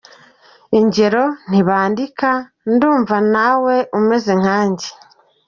Ingero:Ntibandika: Ndumva na we umeze nka nge.